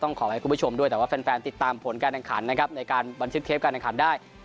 ขอให้คุณผู้ชมด้วยแต่ว่าแฟนติดตามผลการแข่งขันนะครับในการบันทึกเทปการแข่งขันได้